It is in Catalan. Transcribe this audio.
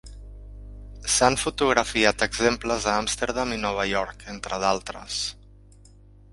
S'han fotografiat exemples a Amsterdam i Nova York, entre d'altres.